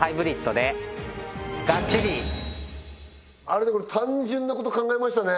あれだけど単純なこと考えましたね